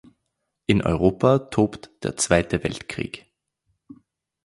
In Europa tobt der Zweite Weltkrieg.